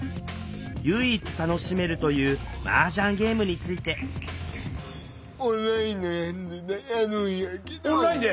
唯一楽しめるというマージャンゲームについてオンラインで！